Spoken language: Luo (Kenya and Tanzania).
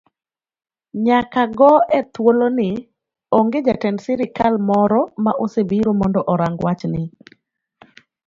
Nyaka go e thuoloni onge jatend sirikal moro ma osebiro mondo orang wachni.